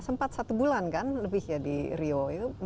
sempat satu bulan kan lebih ya di rio